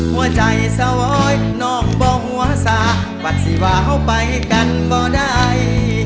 หัวใจสะวอยนอกบอกว่าสาปัดสิว้าวไปกันก็ได้